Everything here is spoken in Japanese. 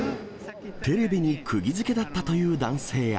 テレビにくぎづけだったという男性や。